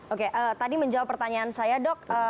oke tadi menjawab pertanyaan saya dok